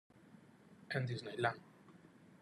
En Disneyland.